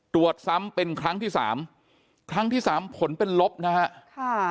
ตรวจซ้ำเป็นครั้งที่สามครั้งที่สามผลเป็นลบนะฮะค่ะ